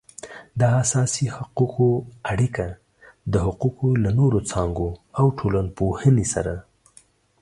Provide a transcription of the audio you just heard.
د اساسي حقوقو اړیکه د حقوقو له نورو څانګو او ټولنپوهنې سره